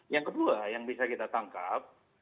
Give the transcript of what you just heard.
yang kedua yang bisa kita tangkap